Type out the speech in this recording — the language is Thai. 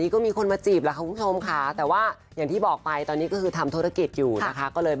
ก็ดีค่ะทำงานไปก่อน